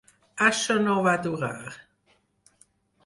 Això no va durar.